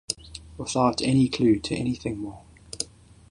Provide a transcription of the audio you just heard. Without any clue to anything more?